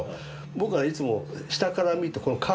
僕はいつも下から見るとこのカーブ？